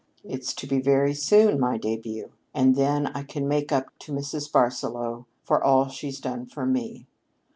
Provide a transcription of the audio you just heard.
It's to be very soon my debut. And then I can make up to Mrs. Barsaloux for all she's done for me.